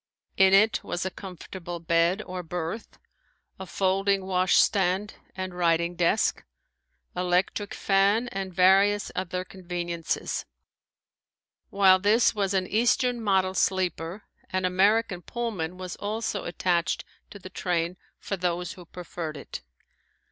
In it was a comfortable bed, or berth, a folding washstand and writing desk, electric fan, and various other conveniences. While this was an eastern model sleeper, an American pullman was also attached to the train for those who preferred it.